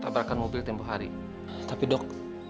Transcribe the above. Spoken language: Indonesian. makan lagi yuk